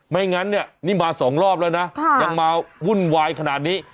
งั้นเนี่ยนี่มาสองรอบแล้วนะยังมาวุ่นวายขนาดนี้